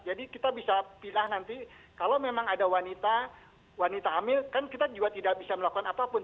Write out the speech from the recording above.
jadi kita bisa pilih nanti kalau memang ada wanita wanita hamil kan kita juga tidak bisa melakukan apapun